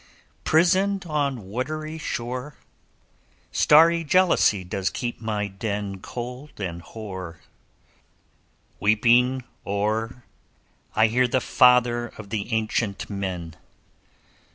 'Prisoned on watery shore, Starry jealousy does keep my den Cold and hoar; Weeping o'er, I hear the father of the ancient men.